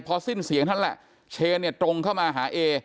พอสิ้นเสียงนั่นแหละเชนเนี่ยตรงเข้ามาหาเอ